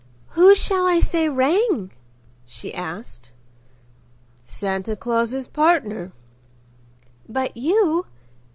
"Who shall I say rang?" she asked. "Santa Claus's partner." "But you—?"